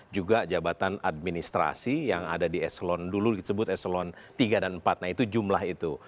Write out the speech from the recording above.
juga jabatan administrasi yang ada di eselon dulu disebut eselon tiga dan empat nah itu jumlah itu